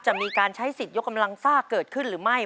จะมีการใช้สิทธิ์ยกกำลังซ่าเกิดขึ้นหรือไม่